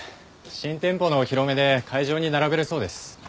新店舗のお披露目で会場に並べるそうです。